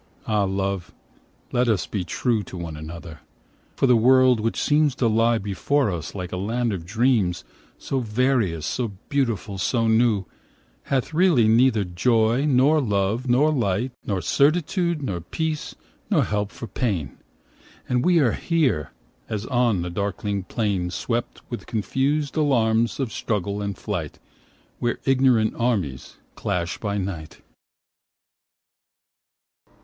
Ah, love, let us be true To one another! for the world, which seems 30 To lie before us like a land of dreams, So various, so beautiful, so new, Hath really neither joy, nor love, nor light, Nor certitude, nor peace, nor help for pain; And we are here as on a darkling plain 35 Swept with confused alarms of struggle and flight, Where ignorant armies clash by night.